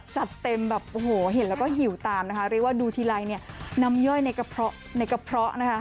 จำเต็มแบบเห็นก็หิวตามนะคะเรียกว่าดูทีไร้น้ำย่อยในกระเพาะ